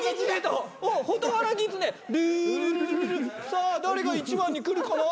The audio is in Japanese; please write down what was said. さあ誰が１番に来るかな？